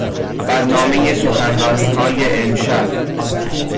برنامهی سخنرانیهای امشب